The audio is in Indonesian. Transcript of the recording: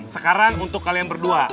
sekarang untuk kalian berdua